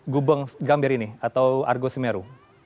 gubeng gambir ini atau argo semeru